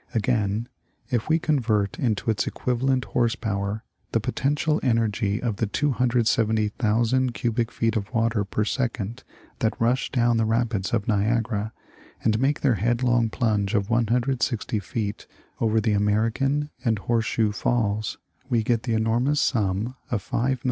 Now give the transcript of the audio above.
Again, if we convert into its equivalent horse power the potential energy of the 270,000 cubic feet of water per second that rush down the rapids of Niagara and make their headlong plunge of 160 feet over the American and Horse shoe falls, we get the enormous sum of 5,847,000.